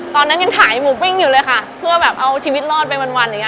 ตอนนั้นยังขายหมูปิ้งอยู่เลยค่ะเพื่อแบบเอาชีวิตรอดไปวันอย่างเ